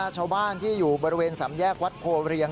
ชาวบ้านที่อยู่บริเวณสำแยกวัดโพเรียง